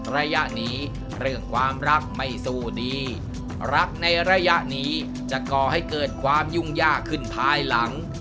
ระยะนี้เรื่องความรักไม่สู้ดีรักในระยะนี้จะก่อให้เกิดความยุ่งยากขึ้นภายหลัง